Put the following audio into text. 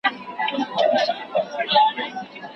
ما هم درلوده ځواني رنګینه